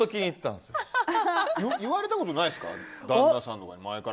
言われたことないですか？